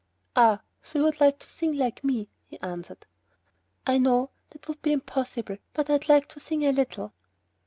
"Ah, so you would like to sing like me," he answered. "I know that would be impossible, but I'd like to sing a little."